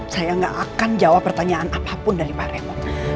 saya gak akan jawab pertanyaan apapun dari pak remo